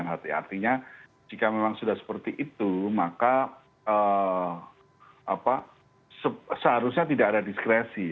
artinya jika memang sudah seperti itu maka seharusnya tidak ada diskresi